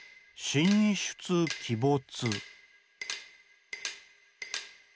「神出鬼没」。